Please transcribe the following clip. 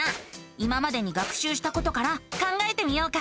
今までに学しゅうしたことから考えてみようか。